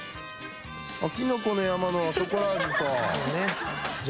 きのこの山のショコラ味と。